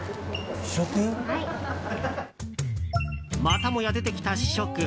またもや出てきた試食。